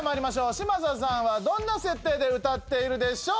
嶋佐さんはどんな設定で歌っているでしょう？